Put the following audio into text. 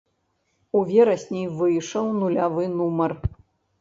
У верасні выйшаў нулявы нумар.